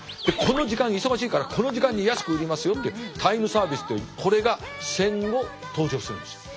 でこの時間忙しいからこの時間に安く売りますよっていうタイムサービスというこれが戦後登場するんです。